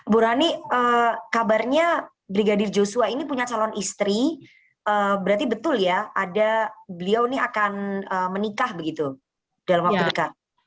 bu rani kabarnya brigadir joshua ini punya calon istri berarti betul ya ada beliau ini akan menikah begitu dalam waktu dekat